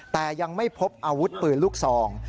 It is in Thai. แต่ยังไม่พบอาวุธปืนลูกซอง